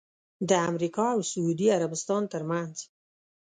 د امریکا اوسعودي عربستان ترمنځ